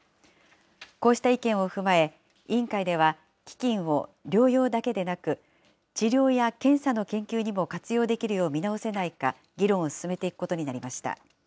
こうした意見を踏まえ、委員会では基金を療養だけでなく、治療や検査の研究にも活用できるよう見直せないか、議論を進めていくことになりました。